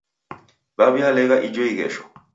Waw'ialegha ijo ighesho.